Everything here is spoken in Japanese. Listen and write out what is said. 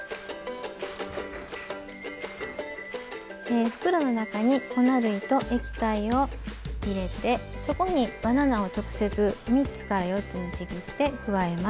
え袋の中に粉類と液体を入れてそこにバナナを直接３つから４つにちぎって加えます。